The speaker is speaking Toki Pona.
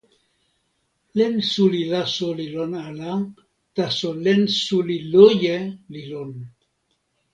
len suli laso li lon ala, taso len suli loje li lon.